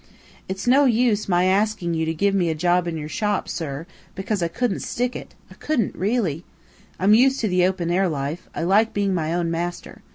It's no use my asking you to give me a job in your shop, sir, because I couldn't stick it, I couldn't really! I'm used to the open air life; I like being my own master.